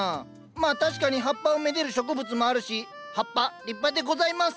まあ確かに葉っぱをめでる植物もあるし葉っぱ立派でございます。